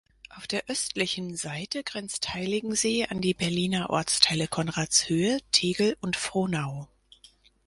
Auf der östlichen Seite grenzt Heiligensee an die Berliner Ortsteile Konradshöhe, Tegel und Frohnau.